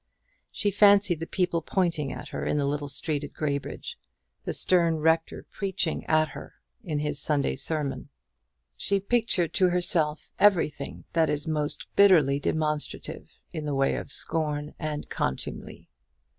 She fancied the people pointing at her in the little street at Graybridge; the stern rector preaching at her in his Sunday sermon. She pictured to herself everything that is most bitterly demonstrative in the way of scorn and contumely.